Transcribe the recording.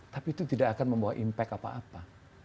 tapi itu tidak akan membawa impact apa apa